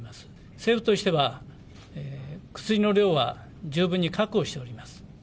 政府としては、薬の量は十分に確保しております。